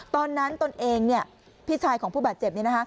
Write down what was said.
ตอนนั้นตนเองพี่ชายของผู้บาดเจ็บนี้